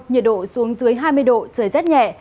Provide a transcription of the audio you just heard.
nhiệt độ xuống dưới hai mươi độ trời rét nhẹ